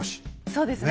そうですね。